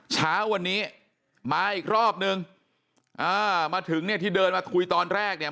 เช้าวันนี้มาอีกรอบนึงอ่ามาถึงเนี่ยที่เดินมาคุยตอนแรกเนี่ย